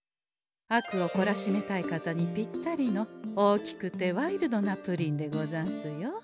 悪をこらしめたい方にぴったりの大きくてワイルドなプリンでござんすよ。